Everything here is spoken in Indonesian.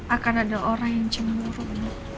akan ada orang yang cuman nurut